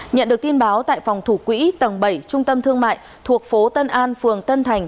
nhận được tin báo tại phòng thủ quỹ tầng bảy trung tâm thương mại thuộc phố tân an phường tân thành